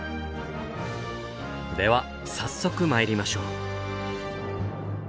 では早速参りましょう。